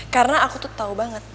karena aku tuh tau banget